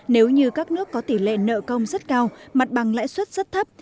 nếu như các nước có tỷ lệ nợ công rất cao mặt bằng lãi suất rất thấp